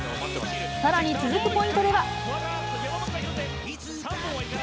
さらに続くポイントでは。